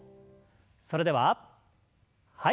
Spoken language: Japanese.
それでははい。